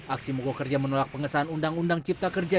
aksi mogok kerja menolak pengesahan undang undang cipta kerja